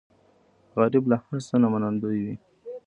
غریب له هر څه نه منندوی وي